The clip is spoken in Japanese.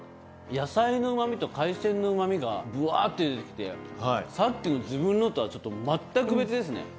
野菜のうま味と海鮮のうま味がブワって出て来てさっきの自分のとはちょっと全く別ですね。